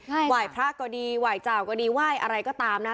ใช่ไหว้พระก็ดีไหว้เจ้าก็ดีไหว้อะไรก็ตามนะคะ